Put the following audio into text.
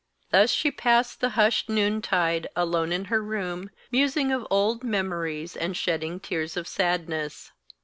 Thus she passed the hushed noontide alone in her room, musing of old memories and shedding tears of sadness.